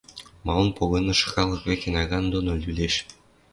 Малын погынышы халык вӹкӹ наган доно лӱлеш?